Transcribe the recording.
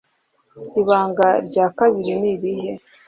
Ibanga rya kabiri nirihe